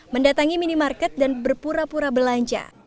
mendatangi minimarket dan berpura pura belanja